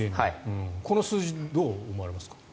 この数字どう思われますか？